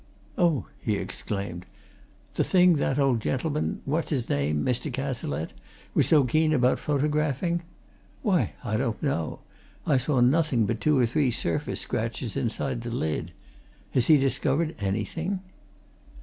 "Oh!" he exclaimed. "The thing that the old gentleman what's his name? Mr. Cazalette? was so keen about photographing. Why, I don't know I saw nothing but two or three surface scratches inside the lid. Has he discovered anything?"